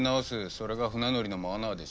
それが船乗りのマナーでしょ。